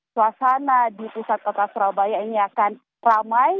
suasana di pusat kota surabaya ini akan ramai